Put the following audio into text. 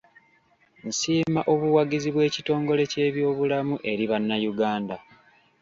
Nsiima obuwagizi bw'ekitongole ky'ebyobulamu eri bannayuganda.